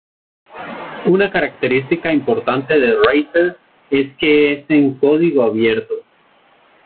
Una característica importante de Racer es que es en código abierto.